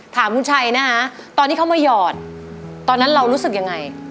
ถามคุณชัยนะฮะตอนที่เขามาหยอดตอนนั้นเรารู้สึกยังไง